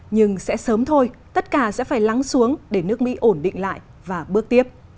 nhưng sẽ sớm thôi tất cả sẽ phải lắng xuống để nước mỹ ổn định lại và bước tiếp